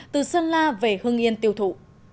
từ sơn la về hương yên tiêu thụ